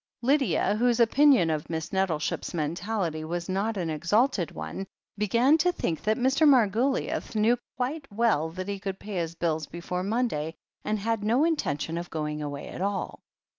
Lydia, whose opinion of Miss Nettleship's mentality was not an exalted one, began to think that Mr. Margo liouth knew quite well that he could pay his bills before Monday, and had no intention of going away at all.